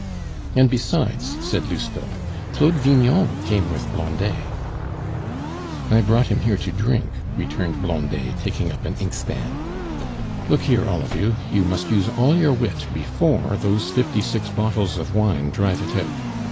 "And besides," said Lousteau, "Claude Vignon came with Blondet." "I brought him here to drink," returned Blondet, taking up an inkstand. "Look here, all of you, you must use all your wit before those fifty six bottles of wine drive it out.